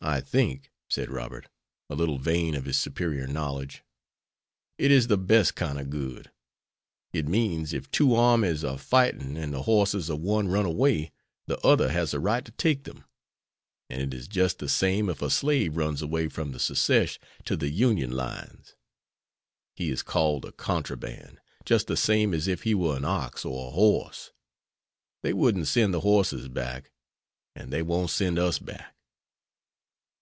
"I think," said Robert, a little vain of his superior knowledge, "it is the best kind of good. It means if two armies are fighting and the horses of one run away, the other has a right to take them. And it is just the same if a slave runs away from the Secesh to the Union lines. He is called a contraband, just the same as if he were an ox or a horse. They wouldn't send the horses back, and they won't send us back."